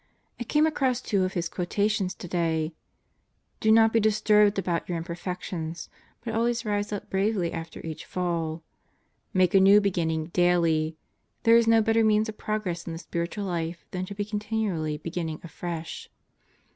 I came across two of his quo tations today: "Do not be disturbed about your imperfections, but always rise up bravely after each fall. Make a new beginning daily. There is no better means of progress in the spiritual life than to be continually beginning afresh."